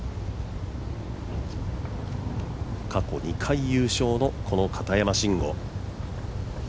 過去２回優勝の、この片山晋呉。